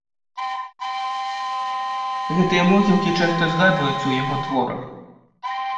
Гэтыя могілкі часта згадваюцца ў яго творах.